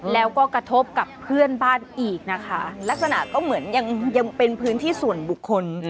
แล้วก็กระทบกับเพื่อนบ้านอีกนะคะลักษณะก็เหมือนยังเป็นพื้นที่ส่วนบุคคล